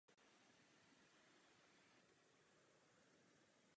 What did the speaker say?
Ten se pak za rentu třiceti tisíc dukátů vzdal svých nároků.